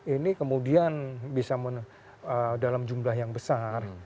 ini kemudian bisa dalam jumlah yang besar